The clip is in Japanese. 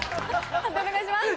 判定お願いします。